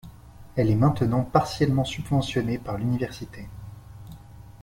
Elle est maintenant partiellement subventionnée par l'université.